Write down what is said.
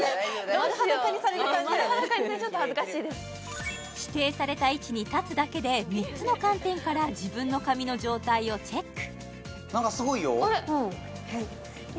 丸裸にそれちょっと恥ずかしいです指定された位置に立つだけで３つの観点から自分の髪の状態をチェック